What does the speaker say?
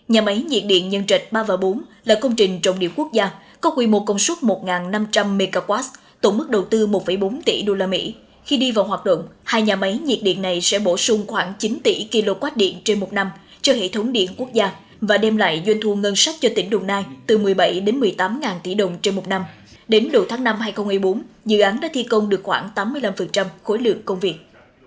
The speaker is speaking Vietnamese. nhà máy nhiệt điện nhân chạch ba bốn là công trình trọng điểm quốc gia có quy mô công suất một năm trăm linh mw tổng mức đầu tư một bốn tỷ usd khi đi vào hoạt động hai nhà máy nhiệt điện này sẽ bổ sung khoảng chín tỷ kwh trên một năm cho hệ thống điện quốc gia và đem lại doanh thu ngân sách cho tỉnh đồng nai từ một mươi bảy một mươi tám ngàn tỷ đồng trên một năm đến đầu tháng năm hai nghìn một mươi bốn dự án đã thi công được khoảng tám mươi năm khối lượng công việc